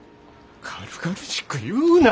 軽々しく言うな！